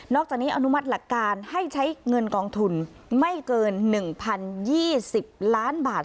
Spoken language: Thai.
จากนี้อนุมัติหลักการให้ใช้เงินกองทุนไม่เกิน๑๐๒๐ล้านบาท